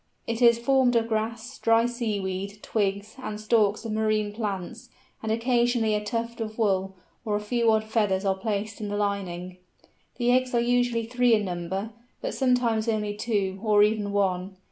It is formed of grass, dry sea weed, twigs, and stalks of marine plants, and occasionally a tuft of wool or a few odd feathers are placed in the lining. The eggs are usually three in number, but sometimes only two, or even one.